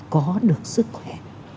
có được sức khỏe